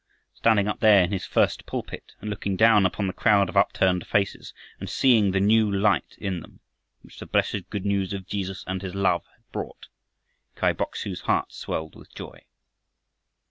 Standing up there in his first pulpit and looking down upon the crowd of upturned faces, and seeing the new light in them which the blessed good news of Jesus and his love had brought, Kai Bok su's heart swelled with joy.